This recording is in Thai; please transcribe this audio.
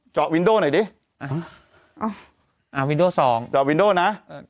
เจาะวินโด้หน่อยดิเอาวินโด้๒เจาะวินโด้นะ